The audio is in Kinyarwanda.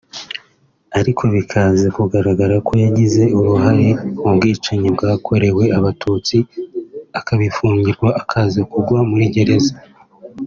ariko bikaza kugaragara ko yagize uruhare mu bwicanyi bwakorewe Abatutsi akabifungirwa akaza kugwa muri gereza